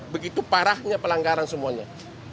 begitu parahnya pelanggaran semuanya